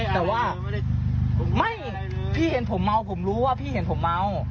แต่ว่าไม่พี่เห็นผมเมาผมรู้ว่าพี่เห็นผมเมา